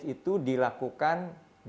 dan biasanya mereka harus melakukan uji klinis